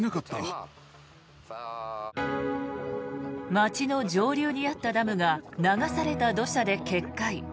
街の上流にあったダムが流された土砂で決壊。